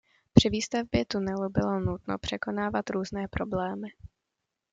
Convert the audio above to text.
Při výstavbě tunelu bylo nutno překonávat různé problémy.